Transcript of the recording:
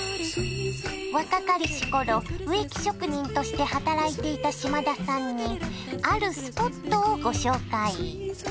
若かりし頃植木職人として働いていた嶋田さんにあるスポットをご紹介！